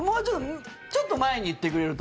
ちょっと前に言ってくれると。